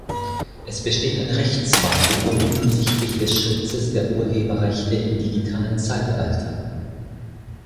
Es besteht ein Rechtsvakuum hinsichtlich des Schutzes der Urheberrechte im digitalen Zeitalter.